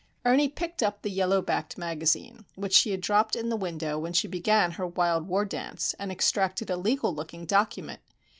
Ernie picked up the yellow backed magazine, which she had dropped in the window when she began her wild war dance, and extracted a legal looking document.